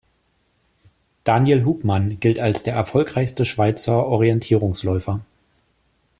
Daniel Hubmann gilt als der erfolgreichste Schweizer Orientierungsläufer.